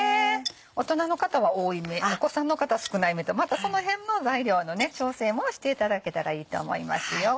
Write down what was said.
大人の方は多いめお子さんの方少ないめとまたその辺の材料の調整もしていただけたらいいと思いますよ。